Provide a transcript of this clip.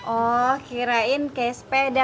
oh kirain kayak sepeda